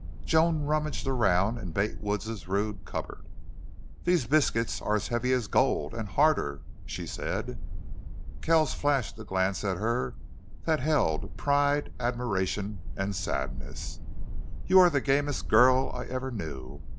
Joan rummaged around in Bate Wood's rude cupboard. "These biscuits are as heavy as gold and harder," she said. Kells flashed a glance at her that held pride, admiration, and sadness. "You are the gamest girl I ever knew!